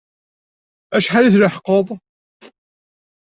Acḥal i tleḥqeḍ?